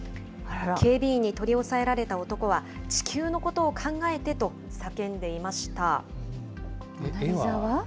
警備員に取り押さえられた男は、地球のことを考えてと、叫んでい絵は？